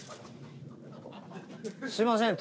すいません。